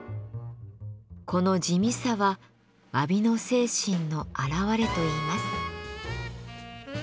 この地味さはわびの精神の表れといいます。